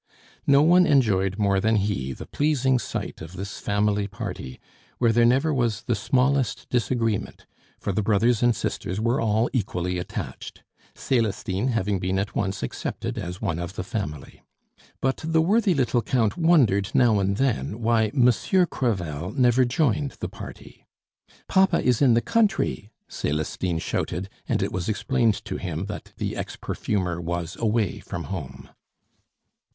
No one enjoyed more than he the pleasing sight of this family party, where there never was the smallest disagreement, for the brothers and sisters were all equally attached, Celestine having been at once accepted as one of the family. But the worthy little Count wondered now and then why Monsieur Crevel never joined the party. "Papa is in the country," Celestine shouted, and it was explained to him that the ex perfumer was away from home.